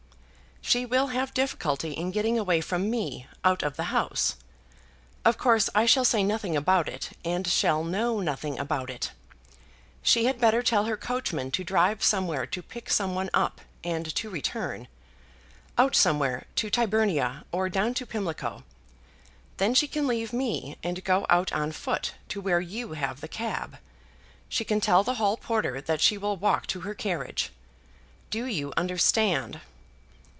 "She will have difficulty in getting away from me, out of the house. Of course I shall say nothing about it, and shall know nothing about it. She had better tell her coachman to drive somewhere to pick some one up, and to return; out somewhere to Tyburnia, or down to Pimlico. Then she can leave me, and go out on foot, to where you have the cab. She can tell the hall porter that she will walk to her carriage. Do you understand?"